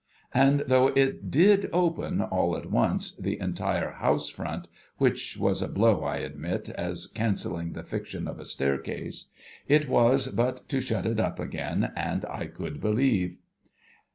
And though it did open all at once, the entire house front (which was a blow, I admit, as cancelling the fiction of a staircase), it was but to shut it up again, and I could believe.